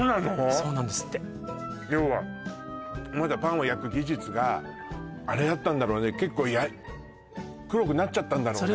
そうなんですって要はまだパンを焼く技術があれだったんだろうね結構黒くなっちゃったんだろうね